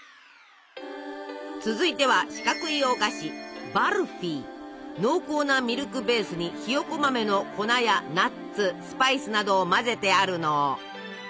続いては四角いお菓子濃厚なミルクベースにひよこ豆の粉やナッツスパイスなどを混ぜてあるの。